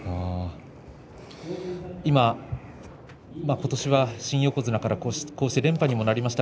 ことしは新横綱から連覇にもなりました。